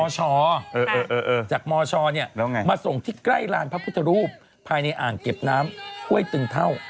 จากมชมาส่งที่ใกล้ลานพระพุทธรูปภายในอ่างเก็บน้ำห้วยตึงเท่า